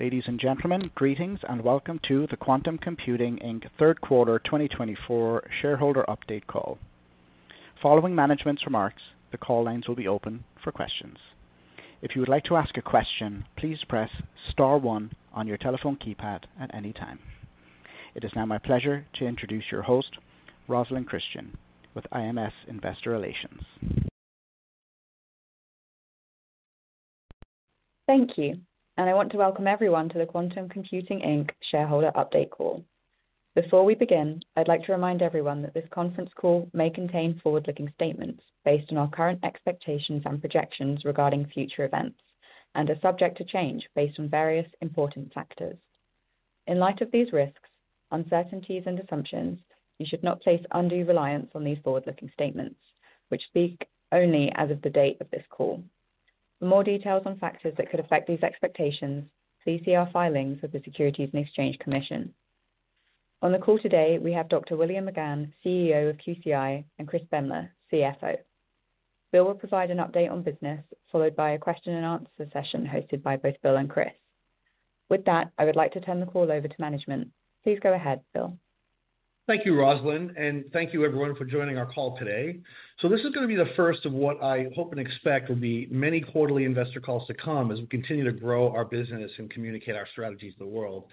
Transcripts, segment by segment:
Ladies and gentlemen, greetings and welcome to the Quantum Computing Inc. Q3 2024 shareholder update call. Following management's remarks, the call lines will be open for questions. If you would like to ask a question, please press star one on your telephone keypad at any time. It is now my pleasure to introduce your host, Rosalyn Christian, with IMS Investor Relations. Thank you, and I want to welcome everyone to the Quantum Computing Inc. shareholder update call. Before we begin, I'd like to remind everyone that this conference call may contain forward-looking statements based on our current expectations and projections regarding future events, and are subject to change based on various important factors. In light of these risks, uncertainties, and assumptions, you should not place undue reliance on these forward-looking statements, which speak only as of the date of this call. For more details on factors that could affect these expectations, please see our filings with the Securities and Exchange Commission. On the call today, we have Dr. William McGann, CEO of QCI, and Chris Bremner, CFO. Bill will provide an update on business, followed by a question-and-answer session hosted by both Bill and Chris. With that, I would like to turn the call over to management. Please go ahead, Bill. Thank you, Rosalind, and thank you, everyone, for joining our call today. So this is going to be the first of what I hope and expect will be many quarterly investor calls to come as we continue to grow our business and communicate our strategies to the world.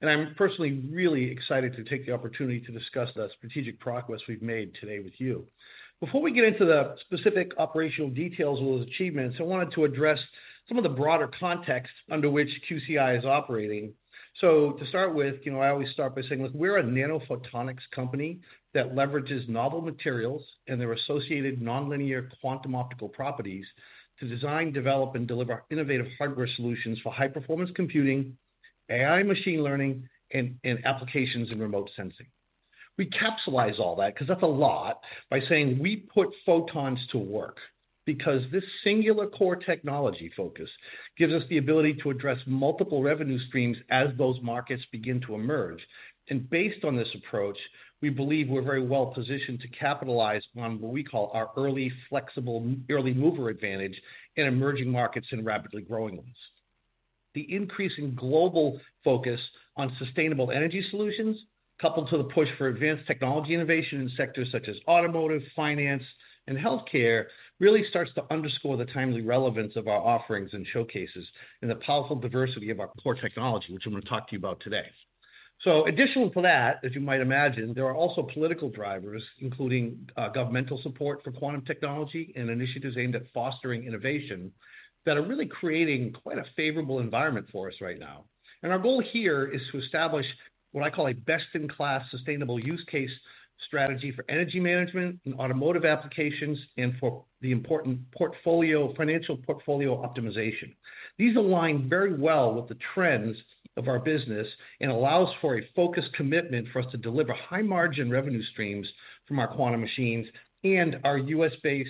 And I'm personally really excited to take the opportunity to discuss the strategic progress we've made today with you. Before we get into the specific operational details of those achievements, I wanted to address some of the broader context under which QCI is operating. So to start with, I always start by saying, look, we're a nanophotonics company that leverages novel materials and their associated nonlinear quantum optical properties to design, develop, and deliver innovative hardware solutions for high-performance computing, AI machine learning, and applications in remote sensing. We capsulize all that, because that's a lot, by saying we put photons to work, because this singular core technology focus gives us the ability to address multiple revenue streams as those markets begin to emerge, and based on this approach, we believe we're very well positioned to capitalize on what we call our early flexible early mover advantage in emerging markets and rapidly growing ones. The increasing global focus on sustainable energy solutions, coupled to the push for advanced technology innovation in sectors such as automotive, finance, and healthcare, really starts to underscore the timely relevance of our offerings and showcases and the powerful diversity of our core technology, which I'm going to talk to you about today. So additionally to that, as you might imagine, there are also political drivers, including governmental support for quantum technology and initiatives aimed at fostering innovation that are really creating quite a favorable environment for us right now. And our goal here is to establish what I call a best-in-class sustainable use case strategy for energy management and automotive applications and for the important financial portfolio optimization. These align very well with the trends of our business and allow us for a focused commitment for us to deliver high-margin revenue streams from our quantum machines and our U.S.-based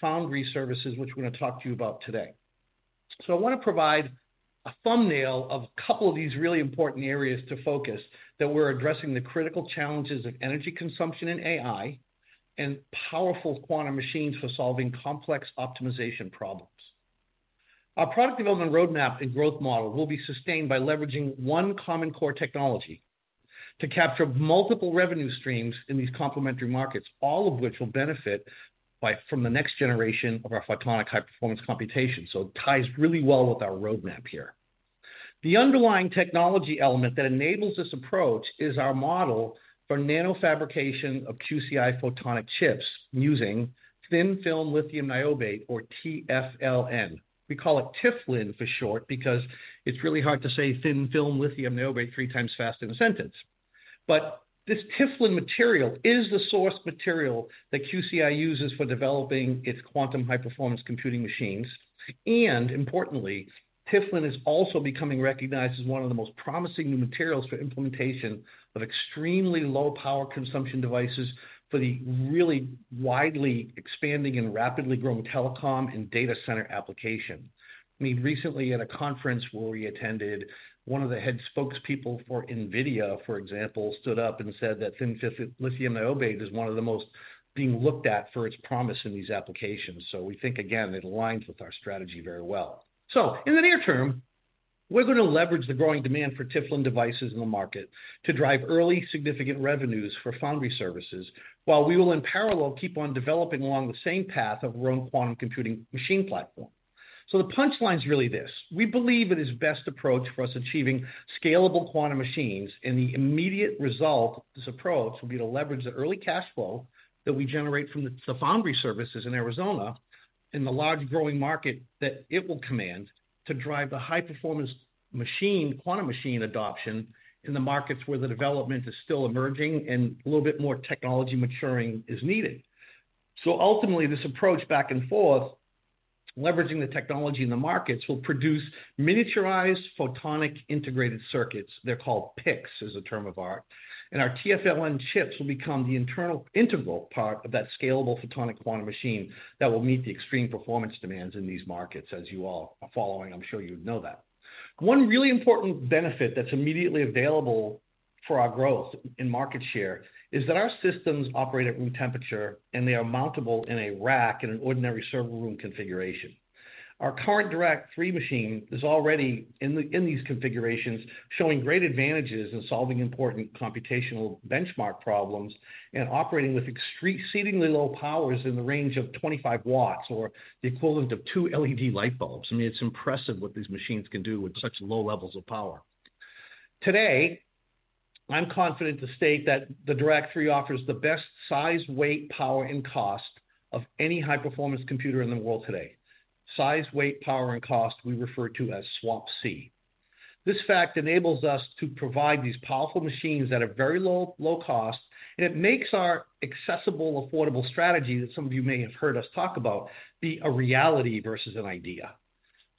foundry services, which we're going to talk to you about today. So I want to provide a thumbnail of a couple of these really important areas to focus that we're addressing the critical challenges of energy consumption and AI and powerful quantum machines for solving complex optimization problems. Our product development roadmap and growth model will be sustained by leveraging one common core technology to capture multiple revenue streams in these complementary markets, all of which will benefit from the next generation of our photonic high-performance computation. So it ties really well with our roadmap here. The underlying technology element that enables this approach is our model for nanofabrication of QCI photonic chips using thin film lithium niobate, or TFLN. We call it TFLN for short because it's really hard to say thin film lithium niobate three times fast in a sentence. But this TFLN material is the source material that QCI uses for developing its quantum high-performance computing machines. And importantly, TFLN is also becoming recognized as one of the most promising new materials for implementation of extremely low-power consumption devices for the really widely expanding and rapidly growing telecom and data center application. I mean, recently at a conference where we attended, one of the head spokespeople for NVIDIA, for example, stood up and said that thin-film lithium niobate is one of the most being looked at for its promise in these applications, so we think, again, it aligns with our strategy very well, so in the near term, we're going to leverage the growing demand for TFLN devices in the market to drive early, significant revenues for foundry services, while we will in parallel keep on developing along the same path of our own quantum computing machine platform. So the punchline is really this: we believe it is the best approach for us achieving scalable quantum machines, and the immediate result of this approach will be to leverage the early cash flow that we generate from the foundry services in Arizona and the large growing market that it will command to drive the high-performance quantum machine adoption in the markets where the development is still emerging and a little bit more technology maturing is needed. So ultimately, this approach back and forth, leveraging the technology in the markets, will produce miniaturized photonic integrated circuits. They're called PICs, as a term of art. And our TFLN chips will become the integral part of that scalable photonic quantum machine that will meet the extreme performance demands in these markets, as you all are following. I'm sure you'd know that. One really important benefit that's immediately available for our growth in market share is that our systems operate at room temperature, and they are mountable in a rack in an ordinary server room configuration. Our current Dirac-3 machine is already in these configurations, showing great advantages in solving important computational benchmark problems and operating with exceedingly low powers in the range of 25 watts or the equivalent of two LED light bulbs. I mean, it's impressive what these machines can do with such low levels of power. Today, I'm confident to state that the Dirac-3 offers the best size, weight, power, and cost of any high-performance computer in the world today. Size, weight, power, and cost we refer to as SWaP-C. This fact enables us to provide these powerful machines at a very low cost, and it makes our accessible, affordable strategy that some of you may have heard us talk about be a reality versus an idea.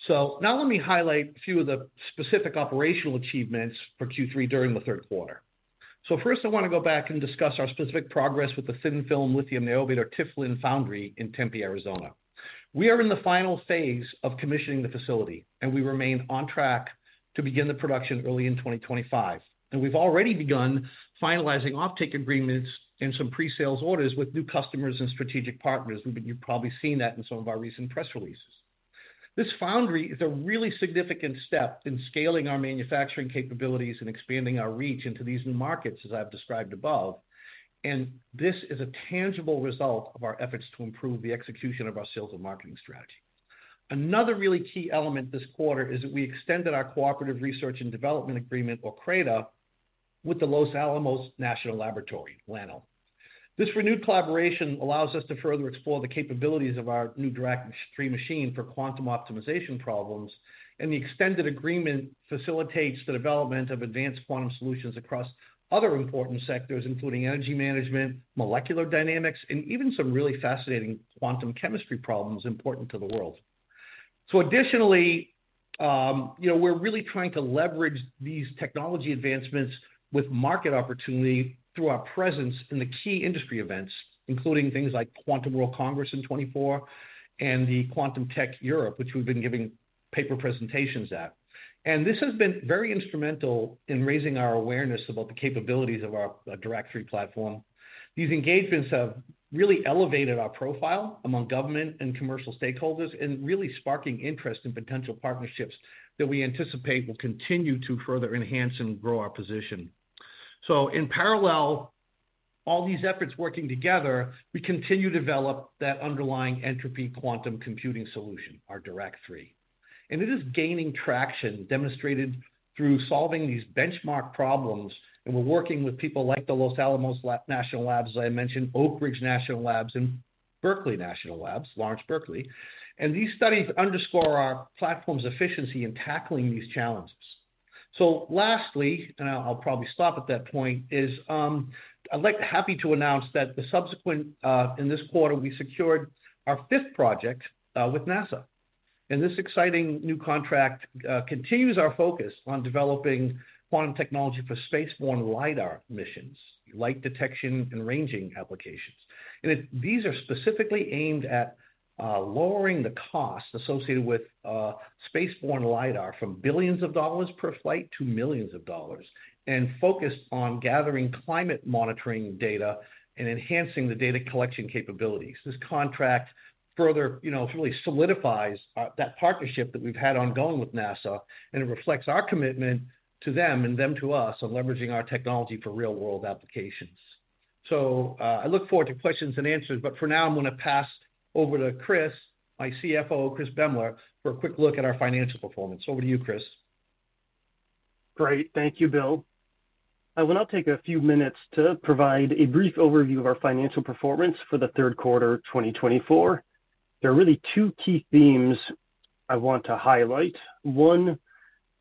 So now let me highlight a few of the specific operational achievements for Q3 during the Q3. So first, I want to go back and discuss our specific progress with the thin film lithium niobate, or TFLN, foundry in Tempe, Arizona. We are in the final phase of commissioning the facility, and we remain on track to begin the production early in 2025. And we've already begun finalizing offtake agreements and some pre-sales orders with new customers and strategic partners. We've been probably seeing that in some of our recent press releases. This foundry is a really significant step in scaling our manufacturing capabilities and expanding our reach into these new markets, as I've described above. And this is a tangible result of our efforts to improve the execution of our sales and marketing strategy. Another really key element this quarter is that we extended our cooperative research and development agreement, or CRADA, with the Los Alamos National Laboratory, LANL. This renewed collaboration allows us to further explore the capabilities of our new Dirac-3 machine for quantum optimization problems. And the extended agreement facilitates the development of advanced quantum solutions across other important sectors, including energy management, molecular dynamics, and even some really fascinating quantum chemistry problems important to the world. So additionally, we're really trying to leverage these technology advancements with market opportunity through our presence in the key industry events, including things like Quantum World Congress in 2024 and the Quantum Tech Europe, which we've been giving paper presentations at. And this has been very instrumental in raising our awareness about the capabilities of our Dirac-3 platform. These engagements have really elevated our profile among government and commercial stakeholders and really sparking interest in potential partnerships that we anticipate will continue to further enhance and grow our position. So in parallel, all these efforts working together, we continue to develop that underlying Entropy Quantum Computing solution, our Dirac-3. And it is gaining traction, demonstrated through solving these benchmark problems. And we're working with people like the Los Alamos National Laboratory, as I mentioned, Oak Ridge National Laboratory, and Lawrence Berkeley National Laboratory. These studies underscore our platform's efficiency in tackling these challenges. Lastly, and I'll probably stop at that point, I'm happy to announce that in this quarter, we secured our fifth project with NASA. This exciting new contract continues our focus on developing quantum technology for space-borne LiDAR missions, light detection and ranging applications. These are specifically aimed at lowering the cost associated with space-borne LiDAR from billions of dollars per flight to millions of dollars and focused on gathering climate monitoring data and enhancing the data collection capabilities. This contract further really solidifies that partnership that we've had ongoing with NASA, and it reflects our commitment to them and them to us on leveraging our technology for real-world applications. So I look forward to questions and answers, but for now, I'm going to pass over to Chris, my CFO, Chris Bremner, for a quick look at our financial performance. Over to you, Chris. Great. Thank you, Bill. I will now take a few minutes to provide a brief overview of our financial performance for the Q3, 2024. There are really two key themes I want to highlight. One,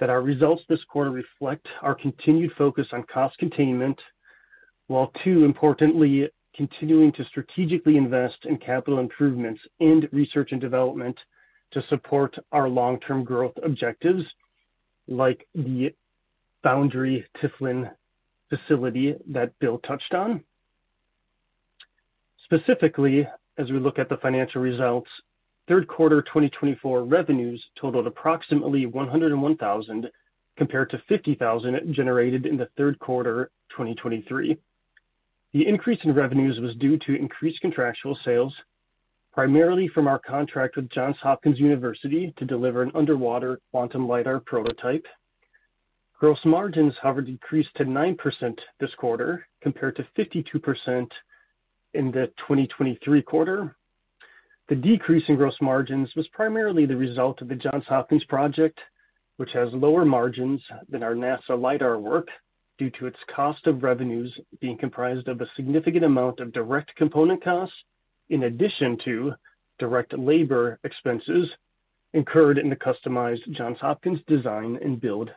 that our results this quarter reflect our continued focus on cost containment, while two, importantly, continuing to strategically invest in capital improvements and research and development to support our long-term growth objectives, like the foundry TFLN facility that Bill touched on. Specifically, as we look at the financial results, Q3, 2024 revenues totaled approximately $101,000 compared to $50,000 generated in Q3, 2023. The increase in revenues was due to increased contractual sales, primarily from our contract with Johns Hopkins University to deliver an underwater quantum LIDAR prototype. Gross margins have decreased to 9% this quarter compared to 52% in the Q3. The decrease in gross margins was primarily the result of the Johns Hopkins project, which has lower margins than our NASA LIDAR work due to its cost of revenues being comprised of a significant amount of direct component costs, in addition to direct labor expenses incurred in the customized Johns Hopkins design and build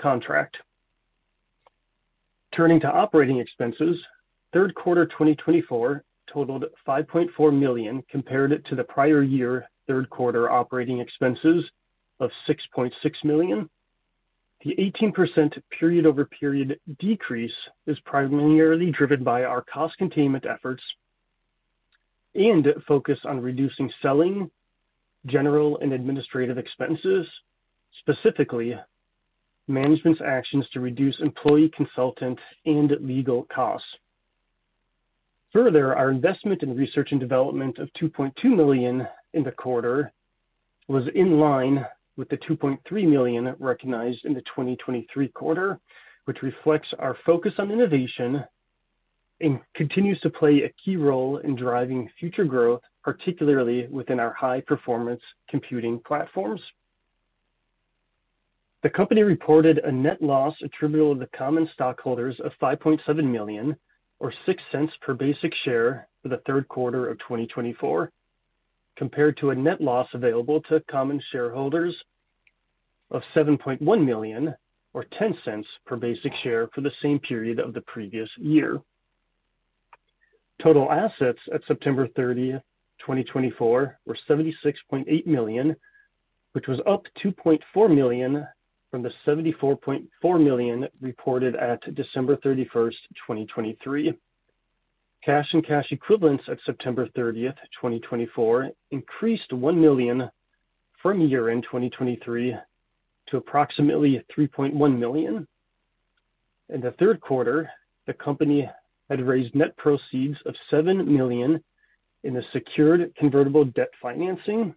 contract. Turning to operating expenses, Q3, 2024 totaled $5.4 million compared to the prior year Q3 operating expenses of $6.6 million. The 18% period-over-period decrease is primarily driven by our cost containment efforts and focus on reducing selling, general, and administrative expenses, specifically management's actions to reduce employee, consultant, and legal costs. Further, our investment in research and development of $2.2 million in the quarter was in line with the $2.3 million recognized in the Q2, which reflects our focus on innovation and continues to play a key role in driving future growth, particularly within our high-performance computing platforms. The company reported a net loss attributable to common stockholders of $5.7 million, or 6 cents per basic share for the Q3 of 2024, compared to a net loss available to common shareholders of $7.1 million, or 10 cents per basic share for the same period of the previous year. Total assets at September 30, 2024, were $76.8 million, which was up $2.4 million from the $74.4 million reported at December 31, 2023. Cash and cash equivalents at September 30, 2024, increased $1 million from year-end 2023 to approximately $3.1 million. In the Q3, the company had raised net proceeds of $7 million in the secured convertible debt financing.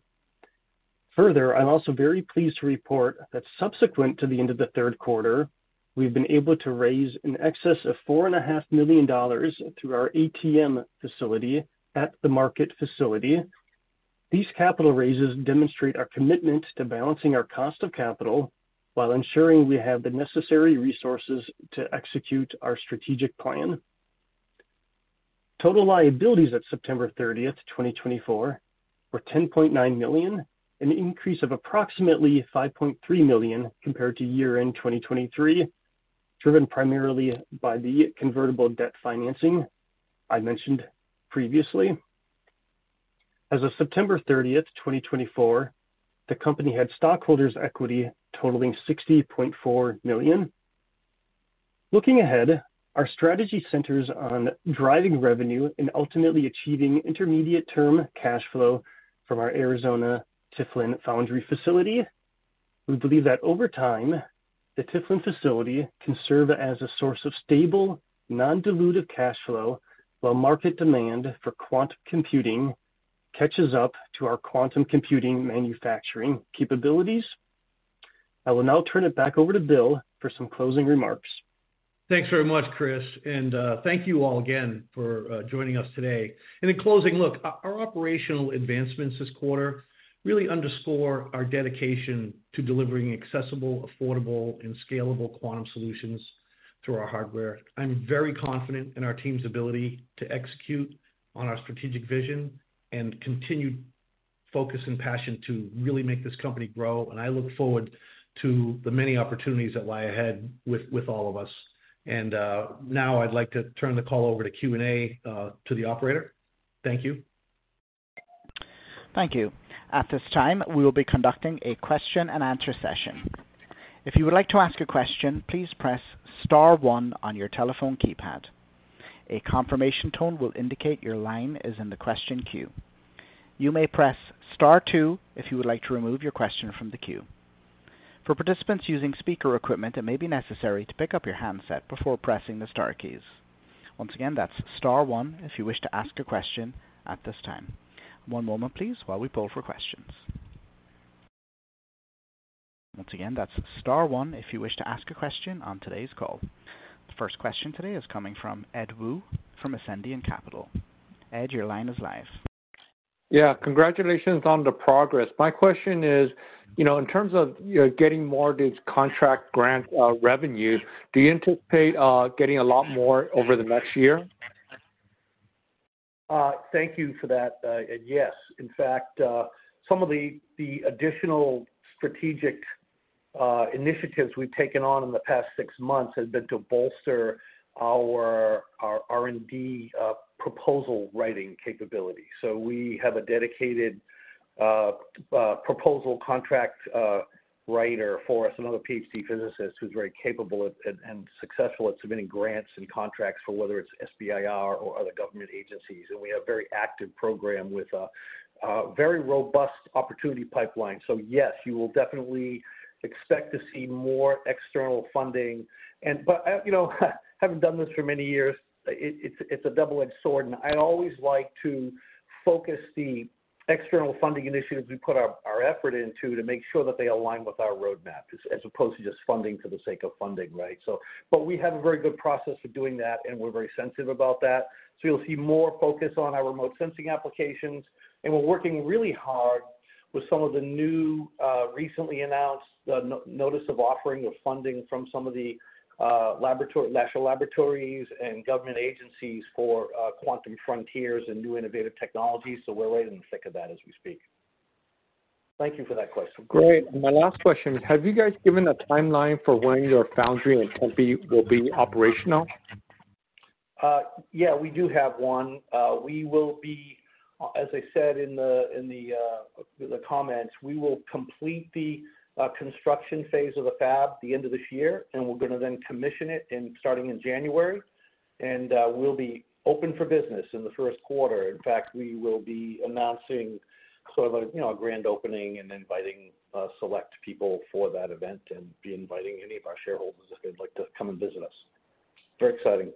Further, I'm also very pleased to report that subsequent to the end of the Q3, we've been able to raise in excess of $4.5 million through our ATM facility at the market facility. These capital raises demonstrate our commitment to balancing our cost of capital while ensuring we have the necessary resources to execute our strategic plan. Total liabilities at September 30, 2024, were $10.9 million, an increase of approximately $5.3 million compared to year-end 2023, driven primarily by the convertible debt financing I mentioned previously. As of September 30, 2024, the company had stockholders' equity totaling $60.4 million. Looking ahead, our strategy centers on driving revenue and ultimately achieving intermediate-term cash flow from our Arizona TFLN foundry facility. We believe that over time, the TFLN facility can serve as a source of stable, non-dilutive cash flow while market demand for quantum computing catches up to our quantum computing manufacturing capabilities. I will now turn it back over to Bill for some closing remarks. Thanks very much, Chris. And thank you all again for joining us today. And in closing, look, our operational advancements this quarter really underscore our dedication to delivering accessible, affordable, and scalable quantum solutions through our hardware. I'm very confident in our team's ability to execute on our strategic vision and continued focus and passion to really make this company grow. And I look forward to the many opportunities that lie ahead with all of us. And now I'd like to turn the call over to Q&A to the operator. Thank you. Thank you. At this time, we will be conducting a question-and-answer session. If you would like to ask a question, please press Star 1 on your telephone keypad. A confirmation tone will indicate your line is in the question queue. You may press Star 2 if you would like to remove your question from the queue. For participants using speaker equipment, it may be necessary to pick up your handset before pressing the Star keys. Once again, that's Star 1 if you wish to ask a question at this time. One moment, please, while we pull for questions. Once again, that's Star 1 if you wish to ask a question on today's call. The first question today is coming from Ed Woo from Ascendiant Capital. Ed, your line is live. Yeah. Congratulations on the progress. My question is, in terms of getting more of these contract grant revenues, do you anticipate getting a lot more over the next year? Thank you for that. Yes. In fact, some of the additional strategic initiatives we've taken on in the past six months have been to bolster our R&D proposal writing capability. So we have a dedicated proposal contract writer for us, another PhD physicist who's very capable and successful at submitting grants and contracts for whether it's SBIR or other government agencies. And we have a very active program with a very robust opportunity pipeline. So yes, you will definitely expect to see more external funding. But having done this for many years, it's a double-edged sword. And I always like to focus the external funding initiatives we put our effort into to make sure that they align with our roadmap, as opposed to just funding for the sake of funding, right? But we have a very good process for doing that, and we're very sensitive about that. So you'll see more focus on our remote sensing applications. And we're working really hard with some of the new recently announced notice of offering of funding from some of the national laboratories and government agencies for quantum frontiers and new innovative technologies. So we're right in the thick of that as we speak. Thank you for that question. Great. And my last question is, have you guys given a timeline for when your foundry and company will be operational? Yeah, we do have one. We will be, as I said in the comments, we will complete the construction phase of the fab the end of this year, and we're going to then commission it starting in January, and we'll be open for business in the first quarter. In fact, we will be announcing sort of a grand opening and inviting select people for that event and be inviting any of our shareholders if they'd like to come and visit us. Very exciting.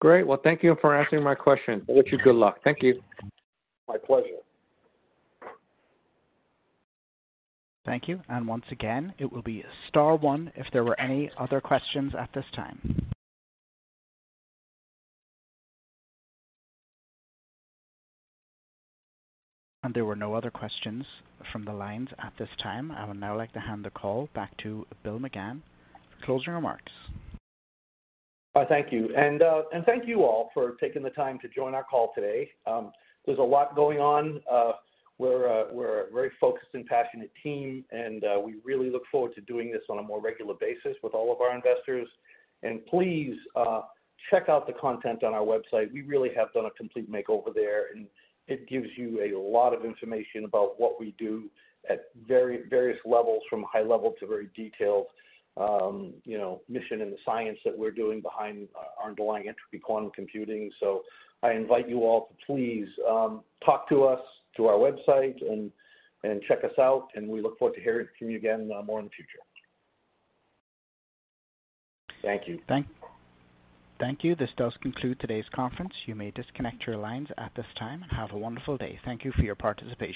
Great. Well, thank you for answering my question. I wish you good luck. Thank you. My pleasure. Thank you. And once again, it will be Star 1 if there were any other questions at this time. And there were no other questions from the lines at this time. I would now like to hand the call back to Bill McGann for closing remarks. Thank you, and thank you all for taking the time to join our call today. There's a lot going on. We're a very focused and passionate team, and we really look forward to doing this on a more regular basis with all of our investors, and please check out the content on our website. We really have done a complete makeover there, and it gives you a lot of information about what we do at various levels, from high-level to very detailed mission and the science that we're doing behind our underlying Entropy Quantum Computing, so I invite you all to please talk to us, to our website, and check us out, and we look forward to hearing from you again more in the future. Thank you. Thank you. This does conclude today's conference. You may disconnect your lines at this time and have a wonderful day. Thank you for your participation.